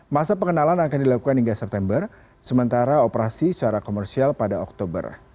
masa pengenalan akan dilakukan hingga september sementara operasi secara komersial pada oktober